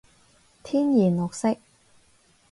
天然綠色